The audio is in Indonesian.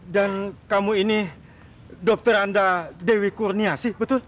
dan kamu ini dokter anda dewi kurnia sih betul